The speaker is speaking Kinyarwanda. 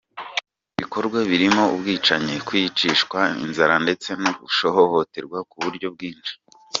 Ibi bikorwa birimo ubwicanyi, kwicishwa inzara ndetse no guhohoterwa k’ uburyo bwinshi.